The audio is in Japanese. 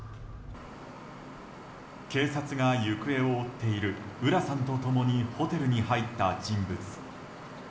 警察が行方を追っている浦さんと共にホテルに入った人物。